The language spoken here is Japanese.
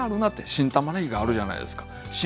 新ごぼうがあるじゃないですか。